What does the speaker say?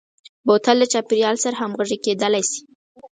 بوتل د چاپیریال سره همغږي کېدلای شي.